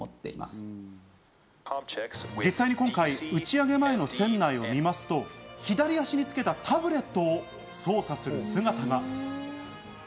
実際に今回、打ち上げ前の船内を見ますと、左足につけたタブレットを操作する姿が。